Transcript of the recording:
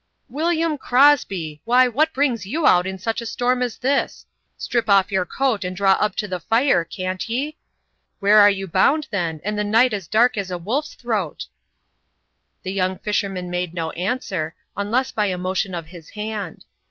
"William Crosby, why, what brings you out in such a storm as this? Strip off your coat, and draw up to the fire, can't ye? Where are you bound, then, and the night as dark as a wolf's throat?" The young fisherman made no answer, unless by a motion of his hand.